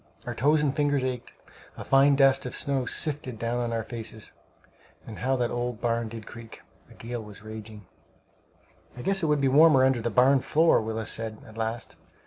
Our toes and fingers ached. A fine dust of snow sifted down on our faces; and how that old barn did creak! A gale was raging. "I guess it would be warmer under the barn floor," Willis said, at last.